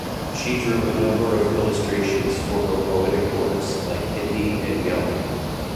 She drew a number of illustrations for her poetic works like Hindi and Yama.